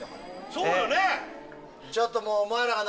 そうよね。